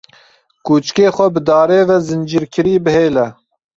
Kûçikê xwe bi darê ve zincîrkirî bihêle.